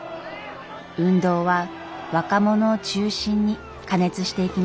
運動は若者を中心に過熱していきました。